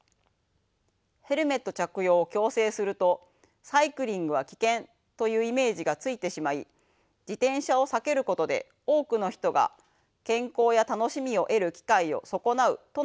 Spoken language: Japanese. ヘルメット着用を強制するとサイクリングは危険というイメージがついてしまい自転車を避けることで多くの人が健康や楽しみを得る機会を損なうとの主張でした。